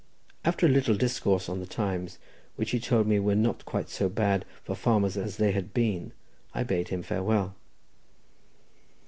After a little discourse on the times, which he told me were not quite so bad for farmers as they had been, I bade, him farewell.